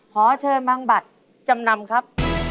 ขอเชิญบางบัตรจำนำครับ